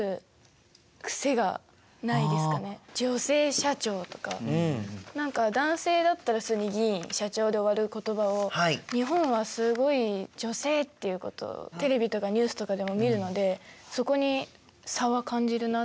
女性社長とか何か男性だったら普通に「議員」「社長」で終わる言葉を日本はすごい「女性」っていうことをテレビとかニュースとかでも見るのでそこに差は感じるなって思って。